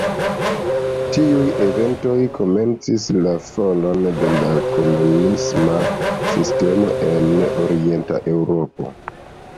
Tiuj eventoj komencis la falon de la komunisma sistemo en Orienta Eŭropo.